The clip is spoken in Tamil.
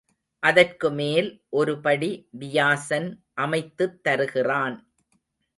அதற்கு மேல் ஒரு படி வியாசன் அமைத்துத் தருகிறான்.